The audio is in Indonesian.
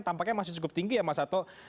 tampaknya masih cukup tinggi ya mas satwa